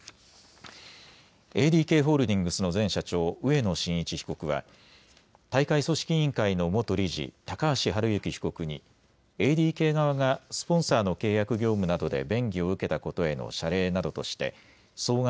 ＡＤＫホールディングスの前社長、植野伸一被告は大会組織委員会の元理事、高橋治之被告にＡＤＫ側がスポンサーの契約業務などで便宜を受けたことへの謝礼などとして総額